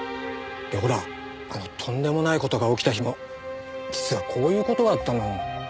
ほらあのとんでもない事が起きた日も実はこういう事があったの。